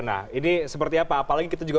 nah ini seperti apa apalagi kita juga